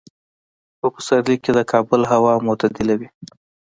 په پسرلي کې د کابل هوا معتدله وي.